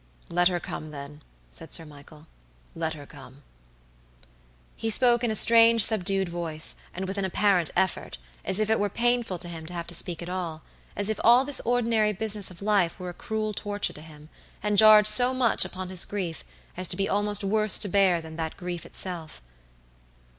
"Let her come, then," said Sir Michael, "let her come." He spoke in a strange, subdued voice, and with an apparent effort, as if it were painful to him to have to speak at all; as if all this ordinary business of life were a cruel torture to him, and jarred so much upon his grief as to be almost worse to bear than that grief itself.